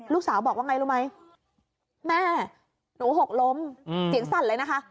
ลูกสาวบอกว่าไงรู้ไหมแม่หนูหกล้มเสียงสั่นเลยนะคะ